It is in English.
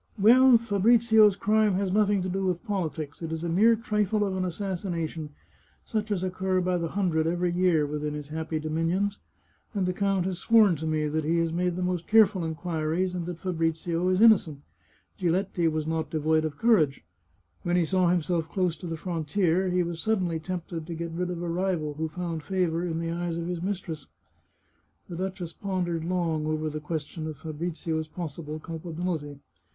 Well, Fabrizio's crime has nothing to do with politics ; it is a mere trifle of an assassination, such as occur by the hundred every year within his happy dominions, and the count has sworn to me that he has made the most careful inquiries, and that Fabrizio is innocent. Giletti was not devoid of courage. When he saw himself close to the frontier, he was suddenly tempted to get rid of a rival who found favour in the eyes of his mistress." The duchess pondered long over the question of Fa 298 The Chartreuse of Parma brizio's possible culpability.